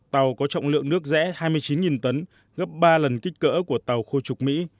tàu có trọng lượng nước rẽ hai mươi chín tấn gấp ba lần kích cỡ của tàu khu trục mỹ